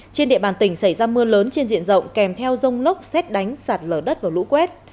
trên địa bàn tỉnh xảy ra mưa lớn trên diện rộng kèm theo rông lốc xét đánh sạt lở đất và lũ quét